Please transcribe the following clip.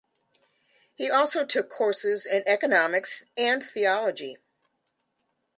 He also took courses in economics and theology.